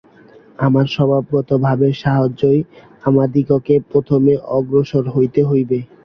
আমাদের স্বভাবগত ভাবের সাহায্যেই আমাদিগকে প্রথমে অগ্রসর হইতে হইবে।